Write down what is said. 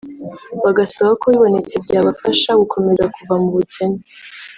bagasaba ko bibonetse byabafasha gukomeza kuva mu bukene